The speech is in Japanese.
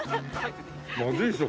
まずいでしょ。